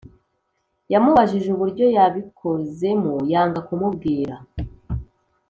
yamubajije uburyo yabikozemo yanga kumubwira